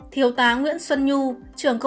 thiếu tá nguyễn xuân nhu